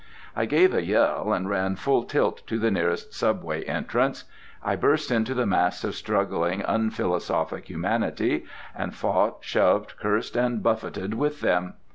I gave a yell and ran full tilt to the nearest subway entrance. I burst into the mass of struggling, unphilosophic humanity and fought, shoved, cursed, and buffeted with them.